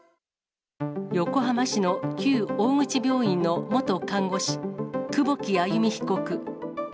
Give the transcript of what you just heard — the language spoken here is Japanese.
横浜市の旧大口病院の元看護師、久保木愛弓被告。